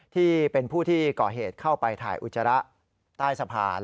ที่เป็นผู้ที่ก่อเหตุเข้าไปถ่ายอุจจาระใต้สะพาน